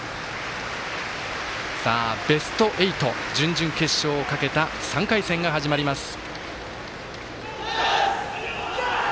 ベスト８、準々決勝をかけた３回戦が始まります。